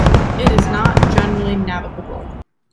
It is not generally navigable.